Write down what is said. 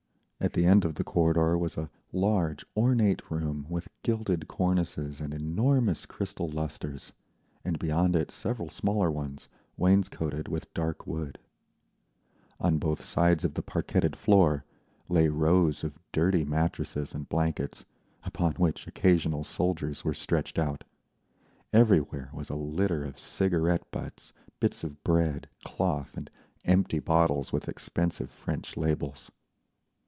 At the end of the corridor was a large, ornate room with gilded cornices and enormous crystal lustres, and beyond it several smaller ones, wainscoted with dark wood. On both sides of the parquetted floor lay rows of dirty mattresses and blankets, upon which occasional soldiers were stretched out; everywhere was a litter of cigarette butts, bits of bread, cloth, and empty bottles with expensive French labels.